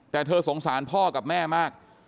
แต่เธอสงสารพ่อกับแม่มาก